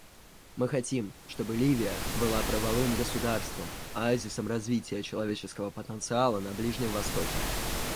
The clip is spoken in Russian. Мы хотим, чтобы Ливия была правовым государством, оазисом развития человеческого потенциала на Ближнем Востоке.